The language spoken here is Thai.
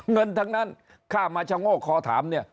เงินทั้งนั้นค่ามาชะโงกคอถามเนี่ย